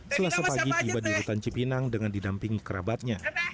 selasa pagi tiba di rutan cipinang dengan didampingi kerabatnya